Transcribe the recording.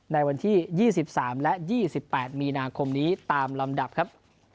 ในวันที่ยี่สิบสามและยี่สิบแปดมีนาคมนี้ตามลำดับครับ